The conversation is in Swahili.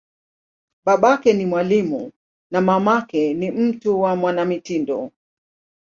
Babake ni mwalimu, na mamake ni mtu wa mwanamitindo.